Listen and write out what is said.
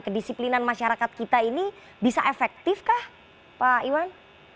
kedisiplinan masyarakat kita ini bisa efektif kah pak iwan